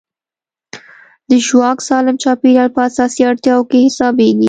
د ژواک سالم چاپېریال په اساسي اړتیاوو کې حسابېږي.